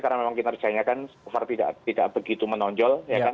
karena memang kinerjanya kan so far tidak begitu menonjol